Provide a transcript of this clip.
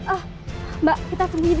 ah mbak kita kemana